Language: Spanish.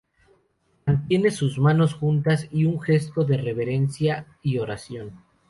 Mantienen sus manos juntas en un gesto de reverencia y oración.